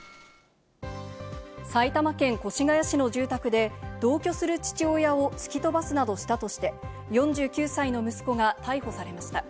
埼玉県越谷市の住宅で同居する父親を突き飛ばすなどしたとして、４９歳の息子が逮捕されました。